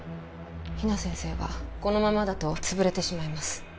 比奈先生はこのままだとつぶれてしまいます